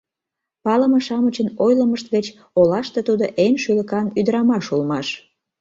Палыме-шамычын ойлымышт гыч, олаште тудо эн шӱлыкан ӱдырамаш улмаш.